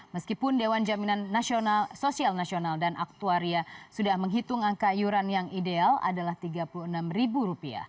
meskipun dewan jaminan sosial nasional dan aktuaria sudah menghitung angka iuran yang ideal adalah rp tiga puluh enam